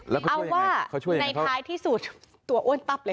เอาว่าในท้ายที่สุดตัวอ้วนปั๊บเลยค่ะ